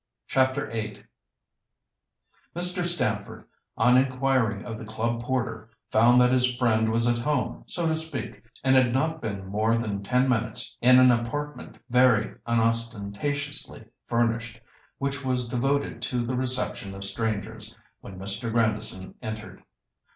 CHAPTER VIII Mr. Stamford, on inquiring of the club porter, found that his friend was at home, so to speak, and had not been more than ten minutes in an apartment very unostentatiously furnished, which was devoted to the reception of strangers, when Mr. Grandison entered.